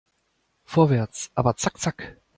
Vorwärts, aber zack zack!